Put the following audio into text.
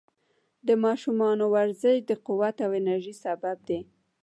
د ماشومانو ورزش د قوت او انرژۍ سبب دی.